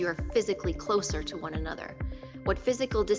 karena anda lebih dekat dengan satu sama lain